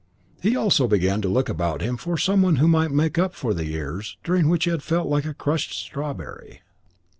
He also began to look about him for someone who might make up for the years during which he had felt like a crushed strawberry.